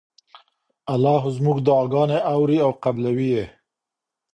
الله زموږ دعاګانې اوري او قبلوي یې.